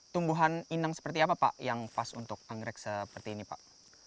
tumbuhan inang seperti apa pak yang pas untuk anggrek seperti ini pak